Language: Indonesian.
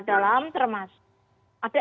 dalam termasuk ada